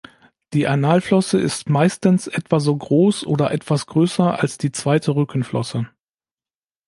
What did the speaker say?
Die Analflosse ist meistens etwa so groß oder etwas größer als die zweite Rückenflosse.